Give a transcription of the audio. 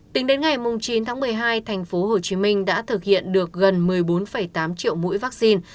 tính đến ngày chín tháng một mươi hai thành phố hồ chí minh đã thực hiện được gần một mươi bốn tám triệu mũi vaccine